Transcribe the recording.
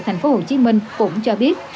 thành phố hồ chí minh cũng cho biết